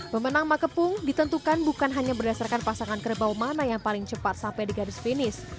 pemenang makepung ditentukan bukan hanya berdasarkan pasangan kerbau mana yang paling cepat sampai di garis finish